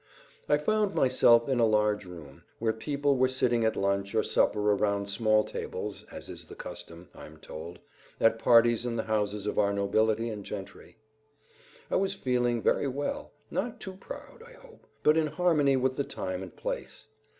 I found myself in a large room, where people were sitting at lunch or supper around small tables, as is the custom, I am told, at parties in the houses of our nobility and gentry. I was feeling very well; not too proud, I hope, but in harmony with the time and place.